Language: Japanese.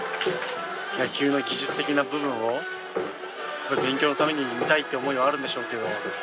野球の技術的な部分を勉強のために見たいって思いはあるんでしょうけどま